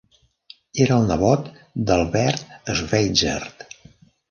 Era el nebot d'Albert Schweitzer.